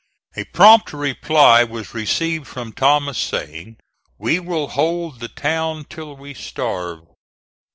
A prompt reply was received from Thomas, saying, "We will hold the town till we starve."